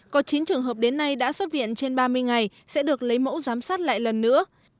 có chín trường hợp đến nay đã xuất viện trên ba mươi ngày sẽ được lấy mẫu giám sát lại lần nữa